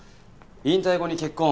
引退後に結婚。